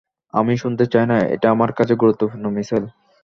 আমি শুনতে চাই না, এটা আমার কাছে গুরুত্বপূর্ণ, মিশেল।